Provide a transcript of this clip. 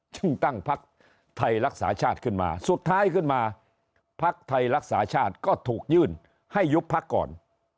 ซึ่งตั้งพักไทยรักษาชาติขึ้นมาสุดท้ายขึ้นมาพักไทยรักษาชาติก็ถูกยื่นให้ยุบพักก่อน